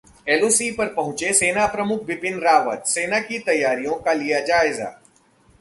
LoC पर पहुंचे सेना प्रमुख बिपिन रावत, सेना की तैयारियों का लिया जायजा